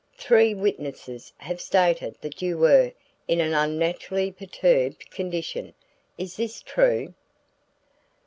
Three witnesses have stated that you were in an unnaturally perturbed condition. Is this true?"